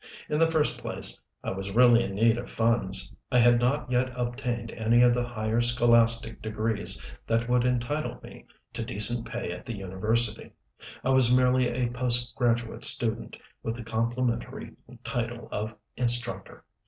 In the first place, I was really in need of funds. I had not yet obtained any of the higher scholastic degrees that would entitle me to decent pay at the university I was merely a post graduate student, with the complimentary title of "instructor."